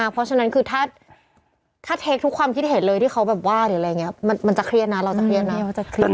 ปุ๊บปุ๊บปุ๊บปุ๊บปุ๊บปุ๊บปุ๊บ